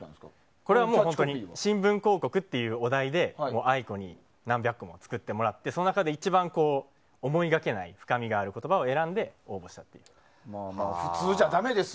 これは新聞広告というお題でＡＩＣＯに何百個も作ってもらってその中で一番思いがけない深みがある言葉を選んで応募したものです。